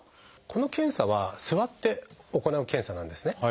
この検査は座って行う検査なんですね。